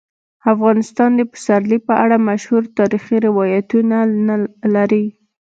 افغانستان د پسرلی په اړه مشهور تاریخی روایتونه لري.